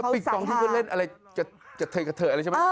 ปิงปองที่คุณเล่นอะไรกับเธอกับเธอใช่ไหม